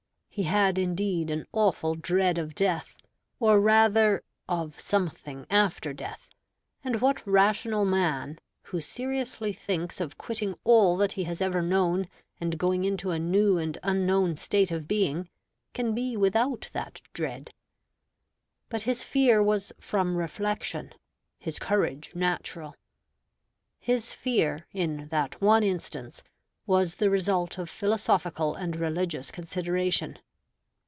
He had indeed an awful dread of death, or rather "of something after death"; and what rational man, who seriously thinks of quitting all that he has ever known and going into a new and unknown state of being, can be without that dread? But his fear was from reflection; his courage natural. His fear, in that one instance, was the result of philosophical and religious consideration.